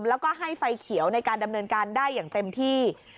แล้วก็ให้ไฟเขียวในการดำเนินการได้อย่างเต็มที่